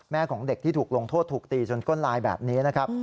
ของเด็กที่ถูกลงโทษถูกตีจนก้นลายแบบนี้นะครับ